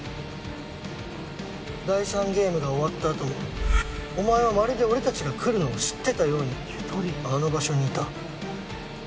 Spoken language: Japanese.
第３ゲームが終わったあともお前はまるで俺たちが来るのを知ってたようにあの場所にいた。